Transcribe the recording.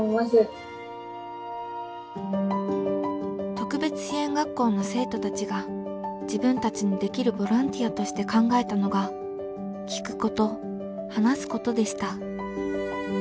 特別支援学校の生徒たちが自分たちにできるボランティアとして考えたのが「聴くこと」「話すこと」でした。